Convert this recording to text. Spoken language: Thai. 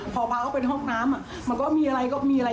พอพาเขาไปห้องน้ำมันก็มีอะไรก็มีอะไร